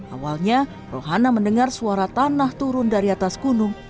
awalnya rohana mendengar suara tanah turun dari atas gunung